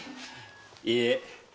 いいえ。